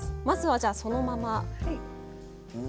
まずはじゃあそのまま。